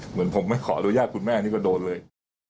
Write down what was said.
เหมือนผมไม่ขออนุญาตคุณแม่นี่ก็โดนเลย